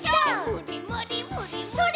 「むりむりむりむり」